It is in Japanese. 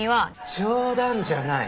冗談じゃない。